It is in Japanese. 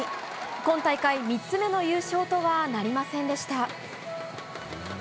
今大会３つ目の優勝とはなりませんでした。